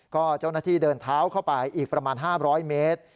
ก็เจ้าหน้าที่เดินเท้าเข้าไปอีกประมาณ๕๐๐เมตร